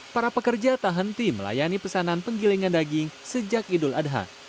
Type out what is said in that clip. para pekerja tak henti melayani pesanan penggilingan daging sejak idul adha